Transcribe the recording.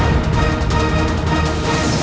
aku akan menanggaringi